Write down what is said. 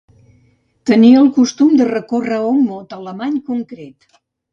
Tenia el costum de recórrer a un mot alemany concret.